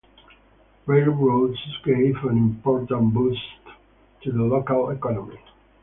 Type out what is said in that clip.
Railroads gave an important boost to the local economy.